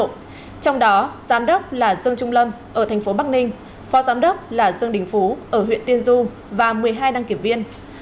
trong đó giám đốc là dương trung lâm ở thành phố bắc ninh phó giám đốc là dương đình phú ở huyện tiên du và một mươi hai đăng kiểm viên